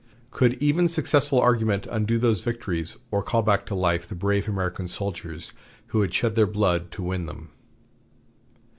Could even successful argument undo those victories or call back to life the brave American soldiers who had shed their blood to win them?